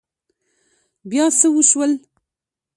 بيا څه وشول؟